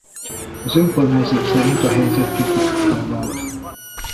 Az önkormányzat szerint a helyzet kritikussá vált.